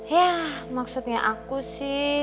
ya maksudnya aku sih